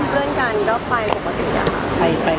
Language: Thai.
จริงอ้าวที่ตัวเรามีทำงานมา